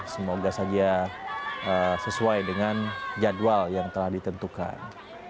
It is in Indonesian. semoga saja sesuai dengan jadwal yang telah ditentukan